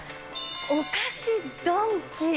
お菓子ドンキ。